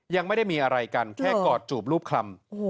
ยังไม่ได้มีอะไรกันแค่กอดจูบรูปคลำ